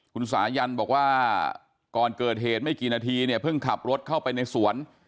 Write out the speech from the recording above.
คุณสายันบอกว่าก่อนเกิดเหตุไม่กี่นาทีเนี่ยเพิ่งขับรถเข้าไปในสวน